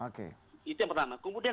oke itu yang pertama kemudian